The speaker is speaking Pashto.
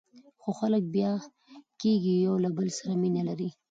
خو خلک بیا کېږي، یو له بل سره مینه لري.